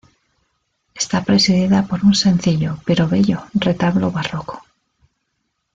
Está presidida por un sencillo, pero bello, retablo barroco.